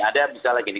ada misalnya gini